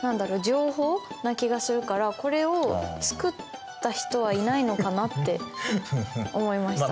情報な気がするからこれを作った人はいないのかなって思いました。